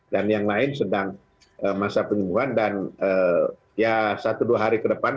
dan yang lain sedang masa penyembuhan dan ya satu dua hari ke depan